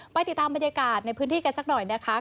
ไปติดตามบรรยากาศในพื้นที่กันสักหน่อยนะคะ